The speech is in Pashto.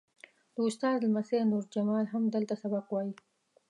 د استاد لمسی نور جمال هم دلته سبق وایي.